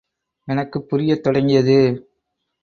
எனக்குப் புரியத் தொடங்கியது.